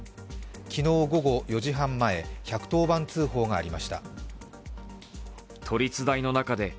昨日午後４時半前、１１０番通報がありました。